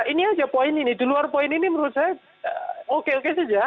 ini aja poin ini di luar poin ini menurut saya oke oke saja